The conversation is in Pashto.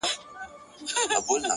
صبر د سترو ارمانونو ملګری دی.!